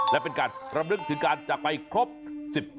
และเป็นการรำลึกถึงการจากไปครบ๑๐ปี